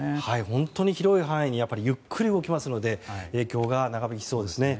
本当に広い範囲でゆっくり動くので影響が長引きそうです。